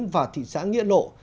và thị xã nghĩa lộ